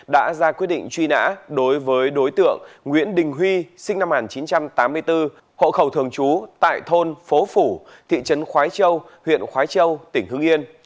đã ra quyết định truy nã đối với đối tượng nguyễn đình huy sinh năm một nghìn chín trăm tám mươi bốn hộ khẩu thường trú tại thôn phố phủ thị trấn khói châu huyện khói châu tỉnh hưng yên